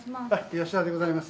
吉田でございます。